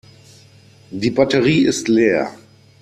Die Batterie ist leer.